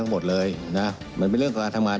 เพื่อ